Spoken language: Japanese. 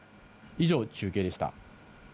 以上、中継でした。